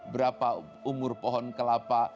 berapa umur pohon kelapa